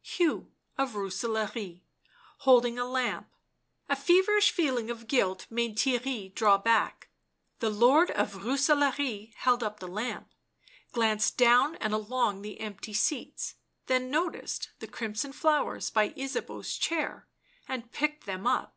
Hugh of Rooselaare holding a lamp. A feverish feeling of guilt made Theirry draw back; the Lord of Rooselaare held up the lamp, glanced down and along the empty seats, then noticed the crimson flowers by Ysabeau's chair and picked them up.